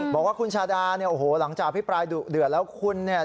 บอกว่าคุณชาดาเนี่ยโอ้โหหลังจากอภิปรายดุเดือดแล้วคุณเนี่ย